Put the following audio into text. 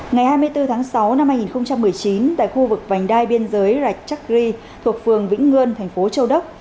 ngày hai mươi bốn tháng sáu năm hai nghìn một mươi chín tại khu vực vành đai biên giới rạch chack ri thuộc phường vĩnh ngươn thành phố châu đốc